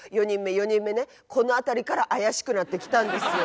４人目ねこの辺りから怪しくなってきたんですよ。